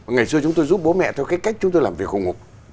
ngày xưa chúng tôi giúp bố mẹ theo cách chúng tôi làm việc hùng hục